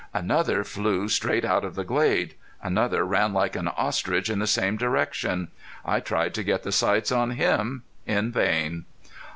Another flew straight out of the glade. Another ran like an ostrich in the same direction. I tried to get the sights on him. In vain!